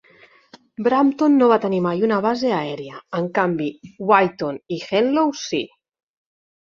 Brampton no va tenir mai una base aèria. En canvi, Wyton i Henlow sí.